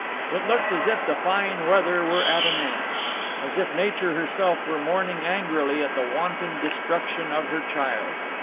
It looked as if the fine weather were at an end; as if Nature herself were mourning angrily at the wanton destruction of her child.